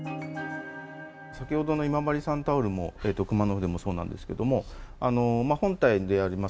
先ほどの今治産タオルも熊野筆もそうなんですけれども、本体であります